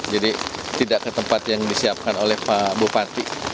jadi tidak ke tempat yang disiapkan oleh pak bupati